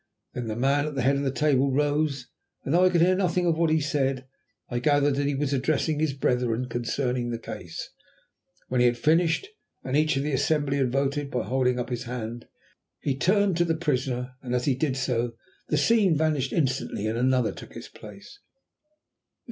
Then the man at the head of the table rose, and though I could hear nothing of what he said, I gathered that he was addressing his brethren concerning the case. When he had finished, and each of the assembly had voted by holding up his hand, he turned to the prisoner. As he did so the scene vanished instantly and another took its place.